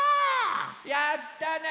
やったね。